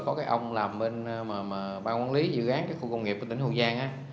có cái ông làm bên ban quản lý dự án các khu công nghiệp của tỉnh hậu giang á